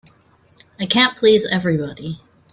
I can't please everybody.